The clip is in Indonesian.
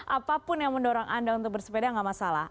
apapun yang mendorong anda untuk bersepeda nggak masalah